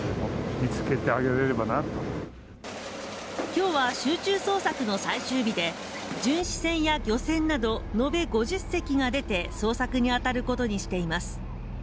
今日は集中捜索の最終日で巡視船や漁船などのべ５０隻が出て捜索にあたることにしています